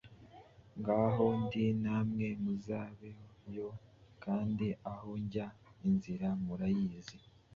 ngo aho ndi, namwe muzabeyo. Kandi aho njya, inzira murayizi.”